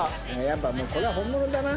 やっぱこれは本物だな。